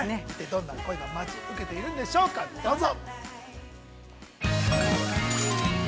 どんな恋が待ち受けているんでしょうか、どうぞ。